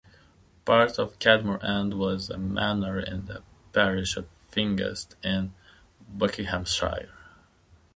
Part of Cadmore End was a manor in the parish of Fingest in Buckinghamshire.